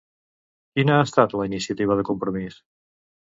Quina ha estat la iniciativa de Compromís?